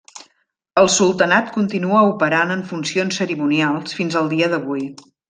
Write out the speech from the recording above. El sultanat continua operant en funcions cerimonials fins al dia d'avui.